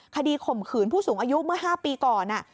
ข่มขืนผู้สูงอายุเมื่อ๕ปีก่อน